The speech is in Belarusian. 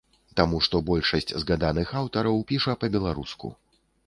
Таму што большасць згаданых аўтараў піша па-беларуску.